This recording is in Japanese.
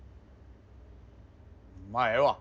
まあええわ。